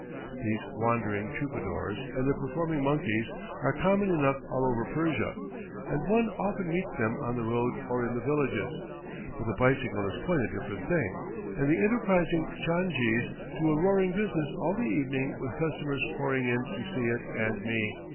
These wandering troubadours and their performing monkeys are common enough all over Persia, and one often meets them on the road or in the villages; but the bicycle is quite a different thing, and the enterprising Tchan jees do a roaring business all the evening with customers pouring in to see it and me.